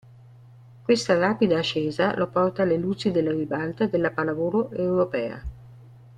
Questa rapida ascesa lo porta alle luci della ribalta della pallavolo europea.